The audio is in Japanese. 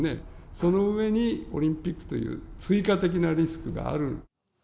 その上にオリンピックという追加的なリスクがある。